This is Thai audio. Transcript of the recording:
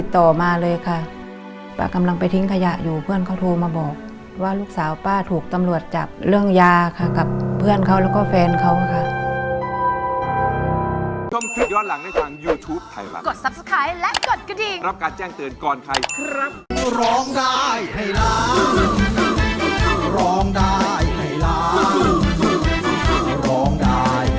ต่อมาเลยค่ะป้ากำลังไปทิ้งขยะอยู่เพื่อนเขาโทรมาบอกว่าลูกสาวป้าถูกตำรวจจับเรื่องยาค่ะกับเพื่อนเขาแล้วก็แฟนเขาค่ะ